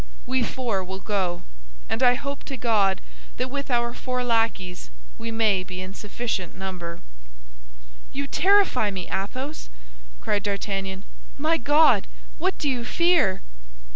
We four will go; and I hope to God that with our four lackeys we may be in sufficient number." "You terrify me, Athos!" cried D'Artagnan. "My God! what do you fear?"